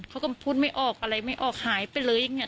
เขาก็พูดไม่ออกอะไรไม่ออกหายไปเลย